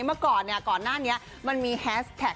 เมื่อก่อนเนี่ยก่อนหน้าเนี่ยมันมีแต่